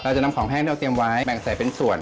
จะนำของแห้งที่เราเตรียมไว้แบ่งใส่เป็นส่วน